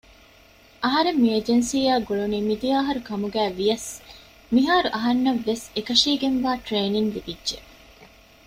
އަހަރެން މި އެޖެންސީއާ ގުޅުނީ މިދިޔަ އަހަރު ކަމުގައިވިޔަސް މިހާރު އަހަންނަށްވެސް އެކަށީގެންވާ ޓްރެއިނިންގް ލިބިއްޖެ